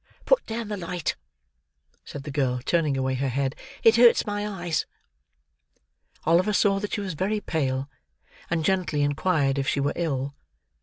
"Put down the light," said the girl, turning away her head. "It hurts my eyes." Oliver saw that she was very pale, and gently inquired if she were ill.